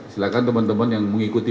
silahkan teman teman yang mengikuti